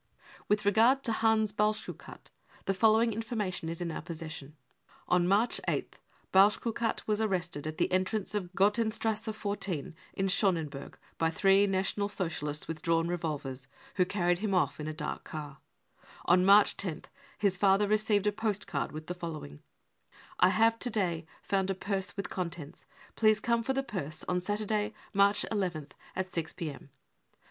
With regard to Hans Balschukat, the following infor mation is in our possession : tc On March 8th, Balschukat was arrested at the entrance of Gotenstrasse 14 in Schoneberg by three National Socialists with drawn revolvers, who carried him off a 324 BROWN BOOK OF THE HITLER TERROR in a dark car. On March xoth his father received post card with the following :" c I have to day found a purse with contents. Please come for the purse on Saturday, March nth, at 6 p.m.